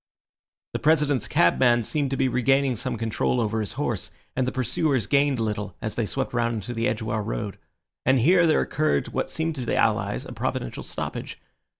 The President's cabman seemed to be regaining some control over his horse, and the pursuers gained a little as they swept round into the Edgware Road. And here there occurred what seemed to the allies a providential stoppage.